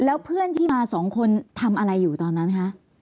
แล้วเพื่อนที่มาสองคนทำอะไรอยู่ตอนนั้นคะ